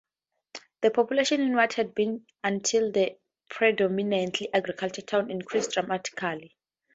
The population in what had been until then a predominantly agricultural town increased dramatically.